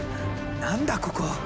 何だここ！？